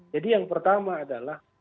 jadi yang pertama adalah